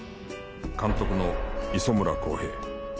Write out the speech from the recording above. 監督の磯村康平。